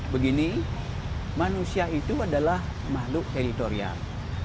begini manusia itu adalah makhluk editorial